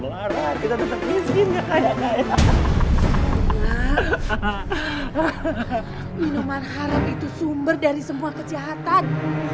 minuman haram itu sumber dari semua kejahatan